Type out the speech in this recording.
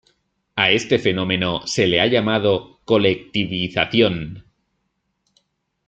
A este fenómeno se le ha llamado "colectivización".